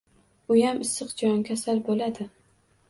Uyam issiq jon, kasal bo‘ladi.